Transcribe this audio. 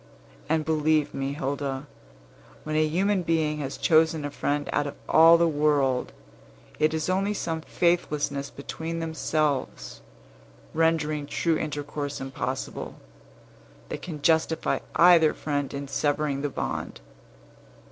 And believe me, Hilda, when a human being has chosen a friend out of all the world, it is only some faithlessness between themselves, rendering true intercourse impossible, that can justify either friend in severing the bond.